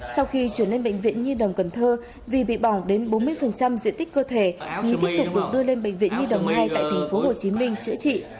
sau khi chuyển lên bệnh viện nhi đồng cần thơ vì bị bỏng đến bốn mươi diện tích cơ thể người tiếp tục được đưa lên bệnh viện nhi đồng hai tại tp hcm chữa trị